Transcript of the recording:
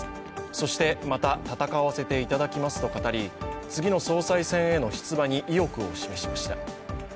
そして、また戦わせていただきますと語り、次の総裁選への出馬に意欲を示しました。